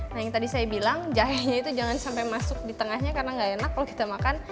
nah yang tadi saya bilang jahenya itu jangan sampai masuk di tengahnya karena nggak enak kalau kita makan